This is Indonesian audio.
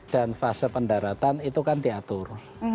dan fase pendaratan itu kan diatur